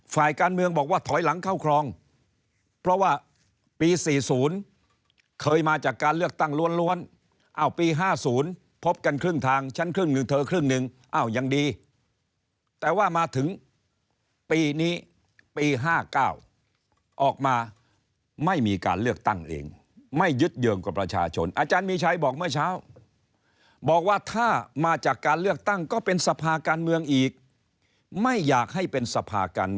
ฝ่ายการเมืองบอกว่าถอยหลังเข้าครองเพราะว่าปี๔๐เคยมาจากการเลือกตั้งล้วนอ้าวปี๕๐พบกันครึ่งทางชั้นครึ่งหนึ่งเธอครึ่งหนึ่งอ้าวยังดีแต่ว่ามาถึงปีนี้ปี๕๙ออกมาไม่มีการเลือกตั้งเองไม่ยึดเยิงกับประชาชนอาจารย์มีชัยบอกเมื่อเช้าบอกว่าถ้ามาจากการเลือกตั้งก็เป็นสภาการเมืองอีกไม่อยากให้เป็นสภากัน